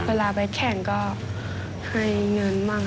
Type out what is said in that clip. เวลาไปแข่งก็ให้เงินบ้าง